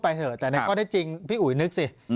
ปากกับภาคภูมิ